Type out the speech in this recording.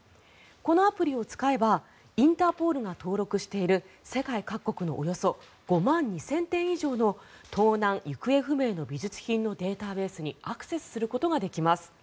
このアプリを使えばインターポールが登録している世界各国のおよそ５万２０００点以上の盗難・行方不明の美術品のデータベースにアクセスすることができます。